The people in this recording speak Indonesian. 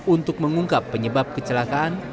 untuk mengungkap penyebab kecelakaan